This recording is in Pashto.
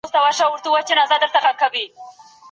زده کړه انسان ته د مسؤلیت او سمو پرېکړو توان ورکوي.